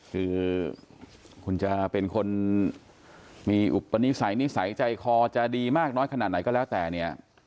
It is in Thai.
คือคุณจะเป็นคนมีอุปนิสัยนิสัยใจคอจะดีมากน้อยขนาดไหนก็แล้วแต่เนี่ย